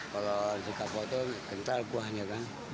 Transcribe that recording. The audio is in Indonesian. kalau nasi kapau itu kental kuahnya kan